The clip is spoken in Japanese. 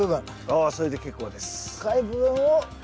あそれで結構です。